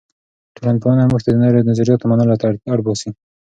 ټولنپوهنه موږ ته د نورو نظریاتو منلو ته اړ باسي.